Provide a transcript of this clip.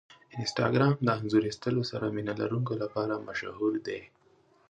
انسټاګرام د انځور ایستلو سره مینه لرونکو لپاره مشهور دی.